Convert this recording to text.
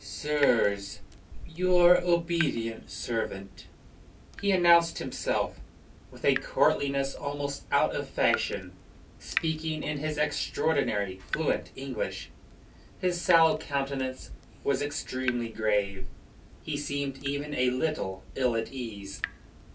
"Sirs, your obedient servant," he announced himself, with a courtliness almost out of fashion, speaking in his extraordinarily fluent English. His sallow countenance was extremely grave. He seemed even a little ill at ease.